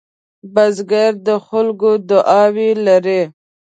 بزګر د خلکو دعاوې لري